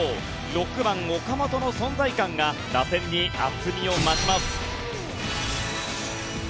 ６番、岡本の存在感が打線に厚みを増します。